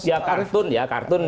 ya kartun ya kartun